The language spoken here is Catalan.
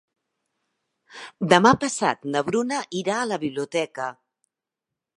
Demà passat na Bruna irà a la biblioteca.